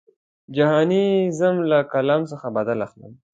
جهاني ځم له قلم څخه بدل اخلم.